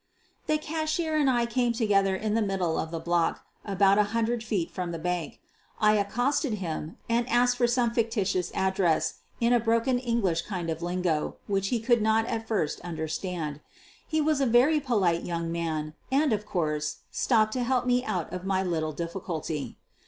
The cashier and I came together in the middle of the block, about a hundred feet from the bank. I accosted him and asked for some fictitious address, in a broken English kind of lingo, which he could not at first understand. He was a very polite young man, and, of course, stopped to help me out of my little difficulty.